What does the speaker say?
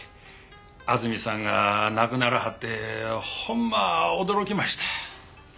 安住さんが亡くならはってほんま驚きました。